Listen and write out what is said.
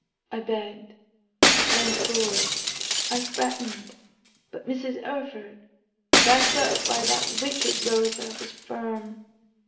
I begged, I implored, I threatened; but Mrs. Arryford, backed up by that wicked Rosa, was firm.